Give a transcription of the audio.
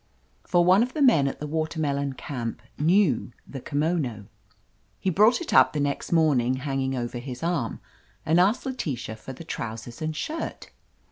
For one of the men at the Water melon Camp knew the kimono. He brought it up the next morning, hang ing over his arm, and asked Letitia for the trousers and shirt!